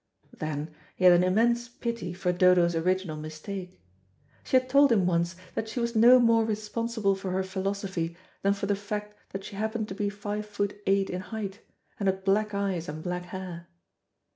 Then he had an immense pity for Dodo's original mistake. She had told him once that she was no more responsible for her philosophy than for the fact that she happened to be five foot eight in height, and had black eyes and black hair.